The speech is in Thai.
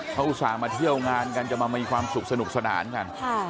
เขาอุตส่าห์มาเที่ยวงานกันจะมามีความสุขสนุกสนานกัน